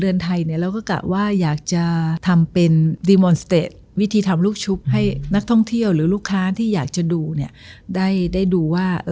เราก็กะว่าอยากจะทำเป็นดีมอนสเตจวิธีทำลูกชุบให้นักท่องเที่ยวหรือลูกค้าที่อยากจะดูเนี่ยได้ดูว่า